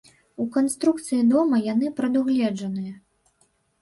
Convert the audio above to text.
У канструкцыі дома яны прадугледжаныя.